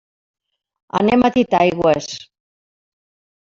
Anem a Titaigües.